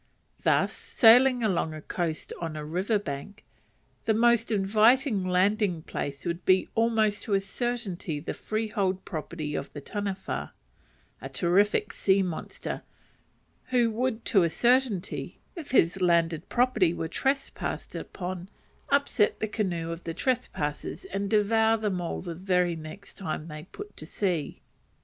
Thus, sailing along a coast or a river bank, the most inviting landing place would be almost to a certainty the freehold property of the Taniwha, a terrific sea monster, who would to a certainty, if his landed property was trespassed on, upset the canoe of the trespassers and devour them all the very next time they put to sea.